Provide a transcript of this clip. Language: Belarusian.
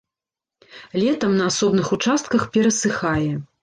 Летам на асобных участках перасыхае.